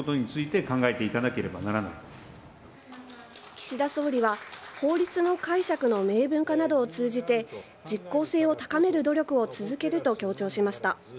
岸田総理は法律の解釈の明文化などを通じて実効性を高める努力を続けると強調しました。